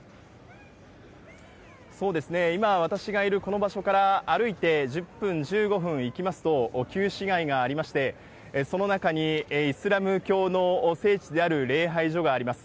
そうですね、今、私がいるこの場所から歩いて１０分、１５分行きますと、旧市街がありまして、その中にイスラム教の聖地である礼拝所があります。